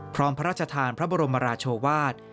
พร้อมพระราชทานพระบรมราชโวาท